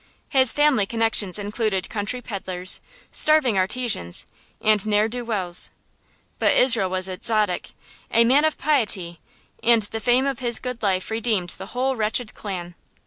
His family connections included country peddlers, starving artisans, and ne'er do wells; but Israel was a zaddik a man of piety and the fame of his good life redeemed the whole wretched clan.